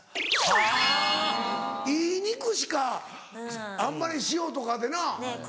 はぁいい肉しかあんまり塩とかでな。